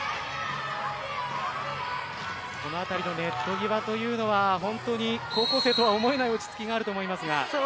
この辺りのネット際というのは本当に高校生とは思えない落ち着きがあると思いますが。